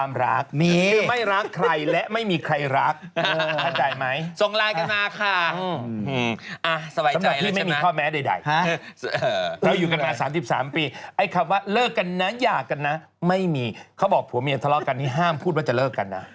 มันไม่ห้ามพูดว่าจะเลิกกันนะ